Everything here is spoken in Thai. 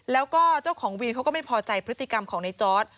แล้วก็เจ้าของวินเขาก็ไม่พอใจพฤติกรรมของในจอร์ด